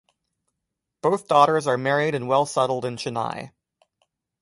Both daughters are married and well settled in Chennai.